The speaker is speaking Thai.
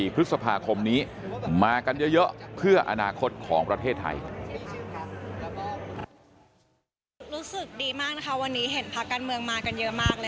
พฤษภาคมนี้มากันเยอะเพื่ออนาคตของประเทศไทย